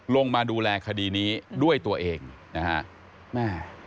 ลงมาดูแลคดีนี้ด้วยตัวเองนะฮะแม่